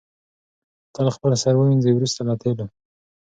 تل خپل سر ووینځئ وروسته له تېلو.